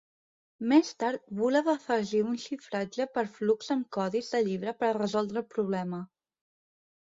Més tard, Vula va afegir un xifratge per flux amb codis de llibre per a resoldre el problema.